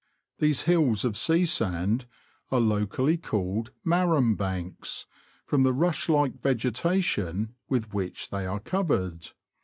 These hills of sea sand are locally called " Marram Banks," from the rush like vegetation with which they are covered.